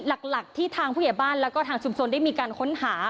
หลักที่ทางผู้ใหญ่บ้านแล้วก็ทางชุมชนได้มีการค้นหา